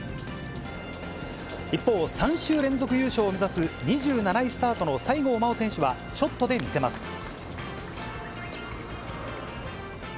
一方、３週連続優勝を目指す２７位スタートの西郷真央選手は、ショットで見せます。